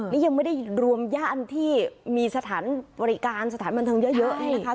นี่ยังไม่ได้รวมย่านที่มีสถานบริการสถานบันเทิงเยอะนี่นะคะ